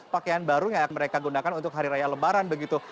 pakaian baru yang akan mereka gunakan untuk hari raya lebaran begitu